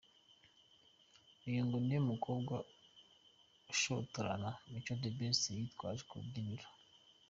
Uyu ngo niwe mukobwa ushotorana Mico The Best yitwaje ku rubyiniro